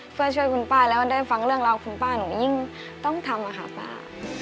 เพื่อช่วยคุณป้าแล้วได้ฟังเรื่องราวคุณป้าหนูยิ่งต้องทำค่ะป้า